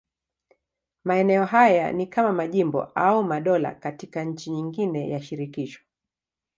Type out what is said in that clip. Maeneo haya ni kama majimbo au madola katika nchi nyingine ya shirikisho.